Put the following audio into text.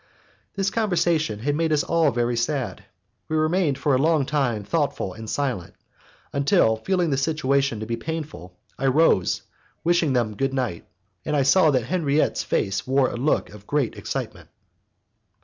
This conversation had made us all very sad; we remained for a long time thoughtful and silent, until, feeling the situation to be painful, I rose, wishing them good night, and I saw that Henriette's face wore a look of great excitement.